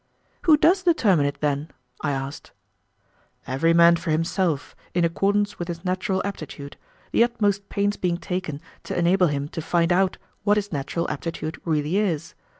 "Who does determine it, then?" I asked. "Every man for himself in accordance with his natural aptitude, the utmost pains being taken to enable him to find out what his natural aptitude really is.